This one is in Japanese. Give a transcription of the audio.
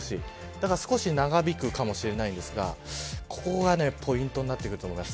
だから少し長引くかもしれないんですがここがポイントになってくると思います